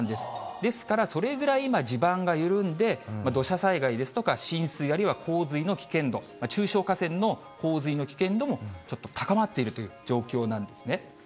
ですから、それぐらい、地盤が緩んで、土砂災害ですとか、浸水、あるいは洪水の危険度、中小河川の洪水の危険度もちょっと高まっているという状況なんですね。